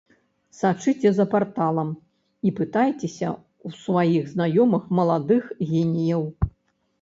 Сачыце за парталам і пытайцеся ў сваіх знаёмых маладых геніяў.